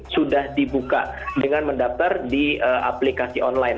sudah dibuka dengan mendaftar di aplikasi online